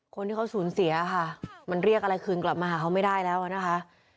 คนที่เขาสูญเสียค่ะมันเรียกอะไรคืนกลับมาหาเขาไม่ได้แล้วนะคะ